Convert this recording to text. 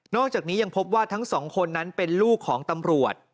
อกจากนี้ยังพบว่าทั้งสองคนนั้นเป็นลูกของตำรวจ